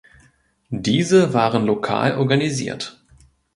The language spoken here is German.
Diese waren lokal organisiert.